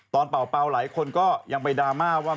เป่าหลายคนก็ยังไปดราม่าว่า